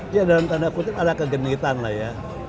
ya dalam tanda kutip ada kegenitan lah ya